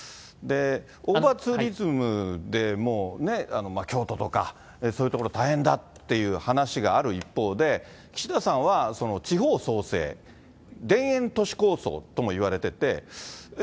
オーバーツーリズムでもね、京都とか、そういう所大変だっていう話がある一方で、岸田さんは、地方創生、田園都市構想ともいわれてて、えっ？